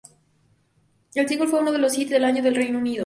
El single fue uno de los Hits del año en el Reino Unido.